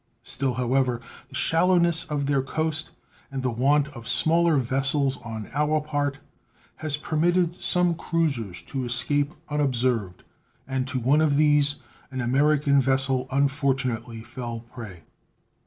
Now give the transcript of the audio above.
Still, however, the shallowness of their coast and the want of smaller vessels on our part has permitted some cruisers to escape unobserved, and to one of these an American vessel unfortunately fell prey.